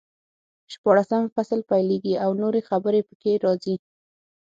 شپاړسم فصل پیلېږي او نورې خبرې پکې راځي.